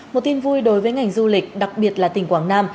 một tin vui đối với ngành du lịch đặc biệt là tỉnh quảng nam